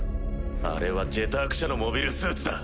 あれは「ジェターク社」のモビルスーツだ。